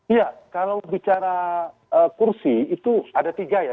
iya kalau bicara kursi itu ada tiga ya